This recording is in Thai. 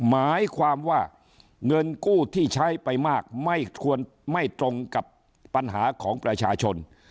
หมายความว่าเงินกู้ที่ใช้ไปมากไม่ควรไม่ตรงกับปัญหาของประชาชน